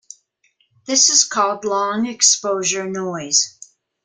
This is called long exposure noise.